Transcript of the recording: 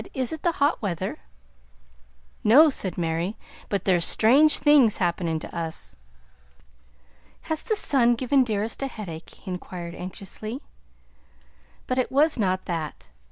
"Is it the hot weather?" "No," said Mary; "but there's strange things happenin' to us." "Has the sun given Dearest a headache?" he inquired anxiously. But it was not that.